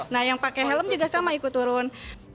nah yang pakai helm juga sama ikut turun